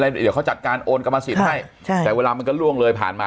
เดี๋ยวเขาจัดการโอนกรรมสิทธิ์ให้ใช่แต่เวลามันก็ล่วงเลยผ่านมา